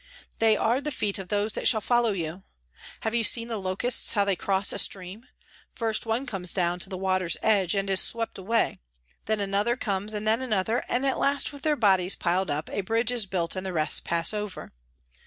...' They are the feet of those that shall follow you.' ... Have you seen the locusts how they cross a stream ? First one comes down to the water's edge, and it is swept away, and then another comes and then another, and at last with their bodies piled up a bridge is built and the rest pass over.'